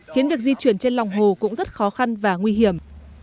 khiến việc di chuyển trên lòng hồ cũng rất khó khăn và nguy hiểm